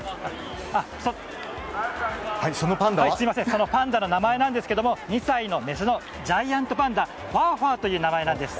そのパンダの名前なんですが２歳のメスのジャイアントパンダファーファーという名前なんです。